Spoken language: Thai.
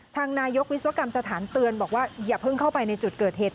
ทางนายกวิศวกรรมสถานเตือนบอกว่าอย่าเพิ่งเข้าไปในจุดเกิดเหตุ